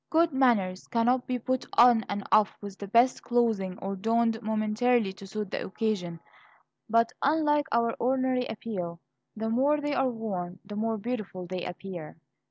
Good manners cannot be put on and off with the best clothing, or donned momentarily to suit the occasion. But, unlike our ordinary apparel, the more they are worn, the more beautiful they appear.